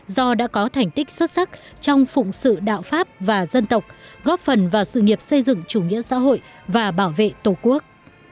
do đã có thành tích xuất sắc trong phụng sự đạo pháp và dân tộc góp phần vào sự nghiệp xây dựng chủ nghĩa xã hội và bảo vệ tổ quốc